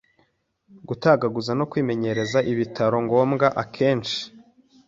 Gutagaguza no kwimenyereza ibitari ngombwa akenshi